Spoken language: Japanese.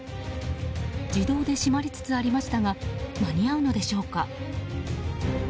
自動で閉まりつつありましたが間に合うのでしょうか。